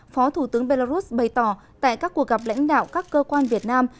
phó thủ tướng belarus bày tỏ tại các cuộc gặp lãnh đạo các cơ quan việt nam